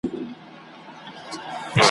پنځه شپږ ځله يې خپل مېړه ټېله كړ `